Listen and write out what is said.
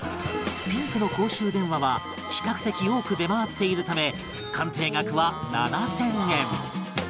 ピンクの公衆電話は比較的多く出回っているため鑑定額は７０００円